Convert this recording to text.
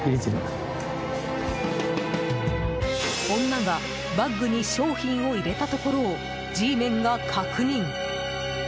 女がバッグに商品を入れたところをＧメンが確認。